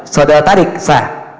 saudara tarik sah